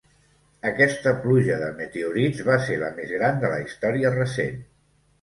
Aquesta pluja de meteorits va ser la més gran de la història recent.